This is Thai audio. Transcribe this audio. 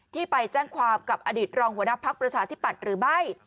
ที่ไปแจ้งความกับอดิษฐ์รองหัวหน้าภัคพรรษาที่ปัดหรือไม่